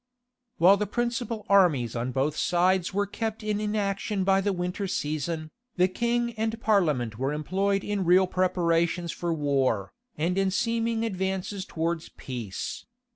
While the principal armies on both sides were kept in inaction by the winter season, the king and parliament were employed in real preparations for war, and in seeming advances towards peace.